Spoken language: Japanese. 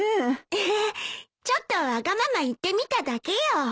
エヘッちょっとわがまま言ってみただけよ。